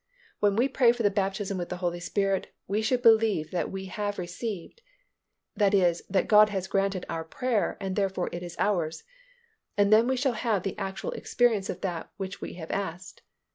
When we pray for the baptism with the Holy Spirit we should believe that we have received (that is that God has granted our prayer and therefore it is ours) and then we shall have the actual experience of that which we have asked.